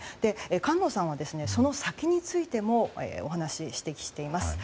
菅野さんはその先についても指摘してます。